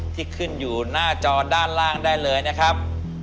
ที่ขึ้นอยู่หน้าจอด้านล่างได้เลยนะครับ